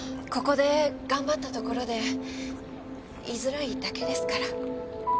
ここで頑張ったところで居づらいだけですから。